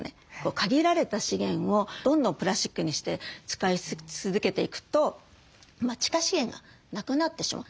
限られた資源をどんどんプラスチックにして使い続けていくと地下資源がなくなってしまう。